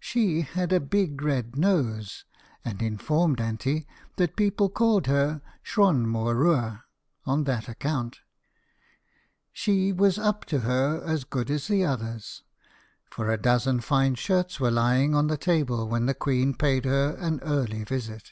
She had a big red nose, and informed Anty that people called her Shron Mor Rua on that account. She was up to her as good as the others, for a dozen fine shirts were lying on the table when the queen paid her an early visit.